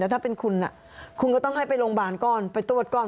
ถ้าเป็นคุณคุณก็ต้องให้ไปโรงพยาบาลก่อนไปตรวจก่อน